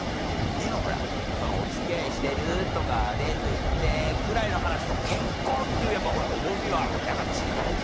でもほら「お付き合いしてる」とか「デート行って」ぐらいの話と結婚っていうやっぱほら重みは違うじゃない。